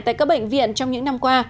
tại các bệnh viện trong những năm qua